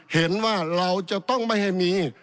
เห็นว่าเราจะต้องไม่ให้มี